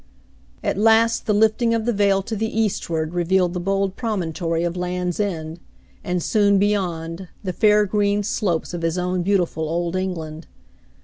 At last the lifting of the veil to the eastward revealed the bold promontory of Land's End, and soon, beyond, the fair green slopes of his own beautiful Old England.